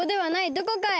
どこかへ。